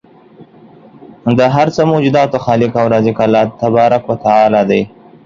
د هر څه موجوداتو خالق او رازق الله تبارک و تعالی دی